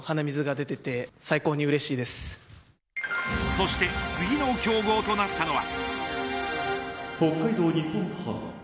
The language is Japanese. そして次の競合となったのは。